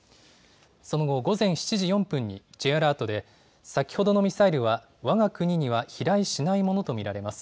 その後、午前７時４分にＪアラートで、先ほどのミサイルはわが国には飛来しないものと見られます。